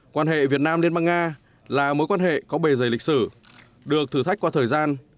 quan hệ việt nam liên bang nga là mối quan hệ có bề dày lịch sử được thử thách qua thời gian